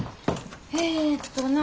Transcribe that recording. えっとな。